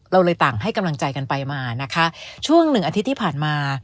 เราเลยต่างให้กำลังใจกันไปมานะคะช่วงหนึ่งอาทิตย์ที่ผ่านมา